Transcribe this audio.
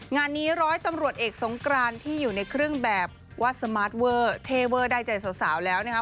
งานนี้ร้อยตำรวจเอกสงกรานที่อยู่ในเครื่องแบบว่าสมาร์ทเวอร์เทเวอร์ได้ใจสาวแล้วนะครับ